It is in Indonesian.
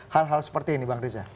hal hal seperti ini bang riza